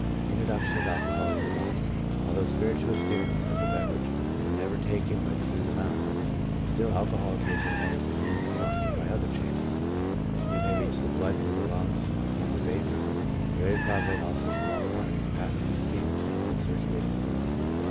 Introduction of Alcohol into the Body, — Although spir ituous stimulants, as a beverage, are never taken but through the mouth, still alcohol occasionally enters the human econ omy by other channels. It may reach the blood through the lungs in the form of vapor ; very probably, also, small quantities pass through the skin into the circulating fluid.